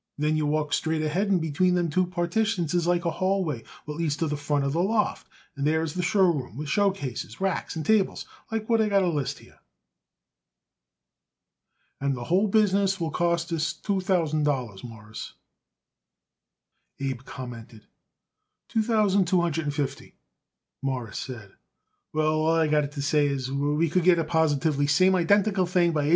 Then you walk right straight ahead, and between them two partitions is like a hall way, what leads to the front of the loft, and there is the show room with showcases, racks and tables like what I got it a list here." "And the whole business will cost it us two thousand dollars, Mawruss," Abe commented. "Two thousand two hundred and fifty," Morris said. "Well, all I got to say is we would get it the positively same identical thing by H.